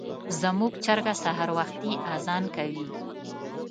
زموږ چرګه سهار وختي اذان کوي.